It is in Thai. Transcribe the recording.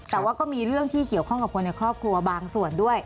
แต่ว่าก็มีเรื่องที่เกี่ยวข้องกับคนในครอบครัวบางส่วนด้วย